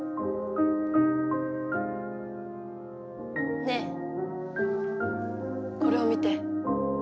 ねえこれを見て。